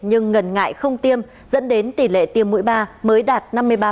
nhưng ngần ngại không tiêm dẫn đến tỷ lệ tiêm mũi ba mới đạt năm mươi ba